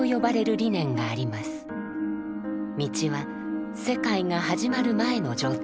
「道」は世界が始まる前の状態。